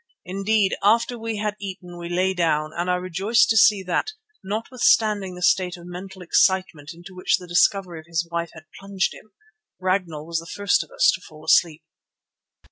Indeed, after we had eaten we lay down and I rejoiced to see that, notwithstanding the state of mental excitement into which the discovery of his wife had plunged him, Ragnall was the first of us to fall asleep.